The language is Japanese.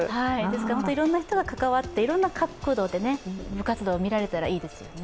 いろんな人が関わっていろんな角度で部活動が見られたらいいですよね。